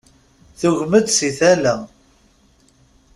Tugem-d si tala.